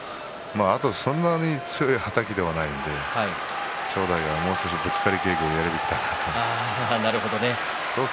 そんなに強いはたきではないので正代、もっとぶつかり稽古をやるべきだと思います。